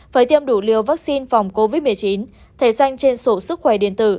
phải tiêm đủ liều vaccine phòng covid một mươi chín thể danh trên sổ sức khỏe điện tử